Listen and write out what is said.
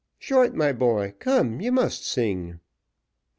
"Short, my boy, come, you must sing."